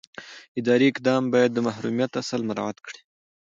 اداري اقدام باید د محرمیت اصل مراعات کړي.